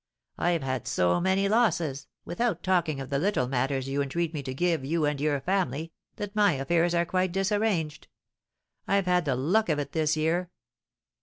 I've had so many losses, without talking of the little matters you entreat me to give you and your family, that my affairs are quite disarranged. I've had the luck of it this year."